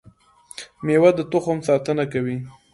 میوه د تخم ساتنه کوي